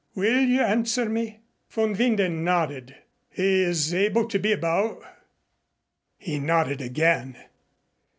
Will you answer me?" Von Winden nodded. "He is able to be about?" He nodded again.